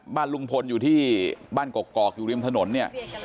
บ้านลุงพลอยู่ที่บ้านกกอกอยู่ริมถนนเนี่ย